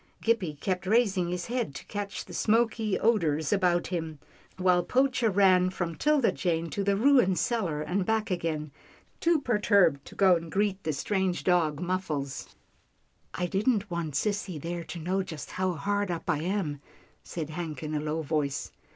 Gippie kept raising his head to catch the smoky odours about him, while Poacher ran from 'Tilda Jane to the ruined cellar and back again, too perturbed to go and greet the strange dog. Muffles. 'TILDA JANE RECEIVES A SHOCK 261 " I didn't want sissy there, to know just how hard up I am," said Hank in a low voice.